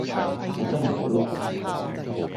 你真係好叻!